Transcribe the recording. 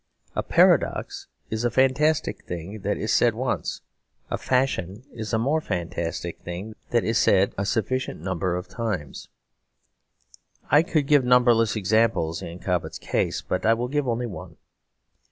A paradox is a fantastic thing that is said once: a fashion is a more fantastic thing that is said a sufficient number of times. I could give numberless examples in Cobbett's case, but I will give only one.